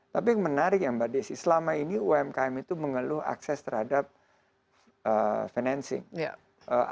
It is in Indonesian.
tapi yang menarik ya mbak desi selama ini umkm itu mengeluh akses terhadap financing